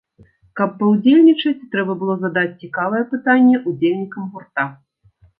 Каб паўдзельнічаць, трэба было задаць цікавае пытанне удзельнікам гурта.